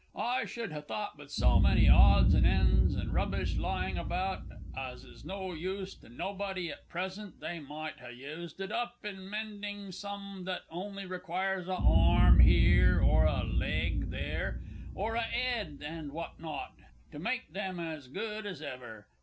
I should ha' thought, with so many odds and ends and rubbish lying about as is no use to nobody at present they might ha' used it up in mending some that only requires a 'arm 'ere or a leg there, or a 'ed and what not, to make 'em as good as ever.